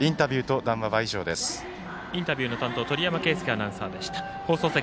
インタビューの担当鳥山圭輔アナウンサーでした。